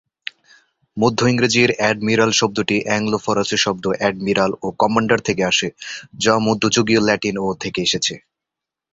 মধ্য ইংরেজির অ্যাডমিরাল শব্দটি অ্যাংলো ফরাসি শব্দ এডমিরাল ও কমান্ডার থেকে আসে, যা মধ্যযুগীয় ল্যাটিন ও থেকে এসেছে।